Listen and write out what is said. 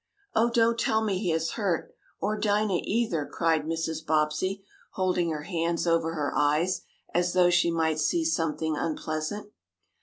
"Oh, don't tell me he is hurt or Dinah, either!" cried Mrs. Bobbsey, holding her hands over her eyes, as though she might see something unpleasant.